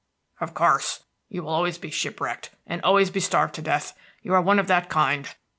"Of course. You will always be shipwrecked, and always be starved to death; you are one of that kind.